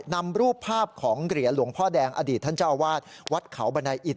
นำรูปภาพของเหรียญหลวงพ่อแดงอดีตท่านเจ้าอาวาสวัดเขาบันไดอิต